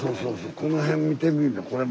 この辺見てみいなこれも。